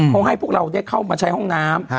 เขาให้พวกเราได้เข้ามาใช้ห้องน้ำ